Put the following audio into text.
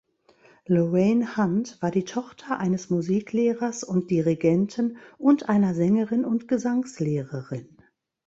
Lorraine Hunt war die Tochter eines Musiklehrers und Dirigenten und einer Sängerin und Gesangslehrerin.